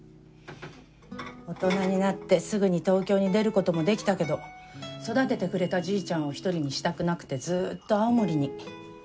大人になってすぐに東京に出る事もできたけど育ててくれたじいちゃんを一人にしたくなくてずっと青森に。